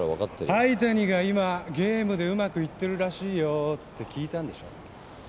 灰谷が今ゲームでうまくいってるらしいよって聞いたんでしょ？